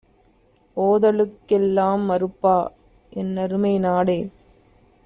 ஓதலுக்கெல் லாம்மறுப்பா? என்னருமை நாடே